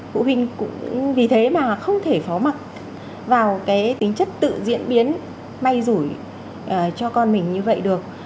phụ huynh cũng vì thế mà không thể phó mặt vào cái tính chất tự diễn biến may rủi cho con mình như vậy được